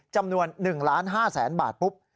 จำนวน๑๕ล้านบาทปุ๊บ